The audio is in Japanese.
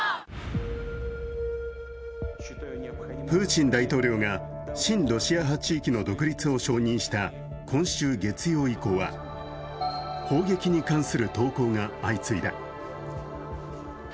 プーチン大統領が親ロシア派地域の独立を承認した今週木曜以降は砲撃に関する投稿が相次いだ。